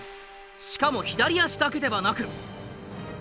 しかも左足だけではなく。